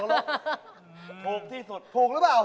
ชุดดีโป้งอะไรต่อนรก